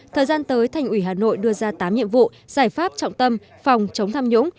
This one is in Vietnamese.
thời gian tới thành ủy hà nội đưa ra tám nhiệm vụ giải pháp trọng tâm phòng chống tham nhũng